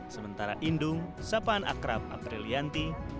sementara indung sapaan akrab aprilianti